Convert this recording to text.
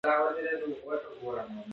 هره لوبډله غواړي اتله سي.